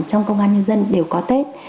trong công an nhân dân đều có tết